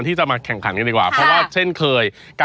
ค่ะเชิญทั้ง๒ท่าไปทางนู้นเลยฮะ